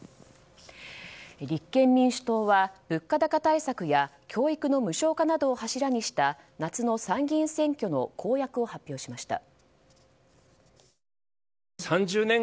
立憲民主党は物価高対策や教育の無償化などを柱とした夏の参議院選挙の公約を発表しました。